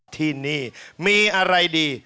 ที่นี่มีอะไรดี